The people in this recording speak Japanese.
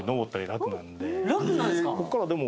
楽なんですか？